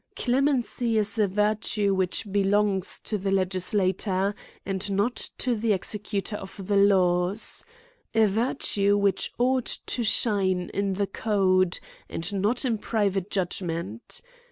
Clemency is a virtue which belongs to the legisla tor, and not to the executor of the laws ; a virtue which ought to shine in the code, and not in pri vate judgment.